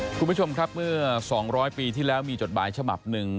คุณผู้ชมครับเมื่อ๒๐๐ปีที่แล้วมีจดหมายฉบับหนึ่ง